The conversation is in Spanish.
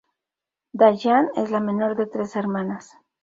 Diane es la menor de tres hermanas.